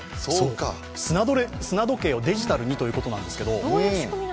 砂時計をデジタルにということなんですけど。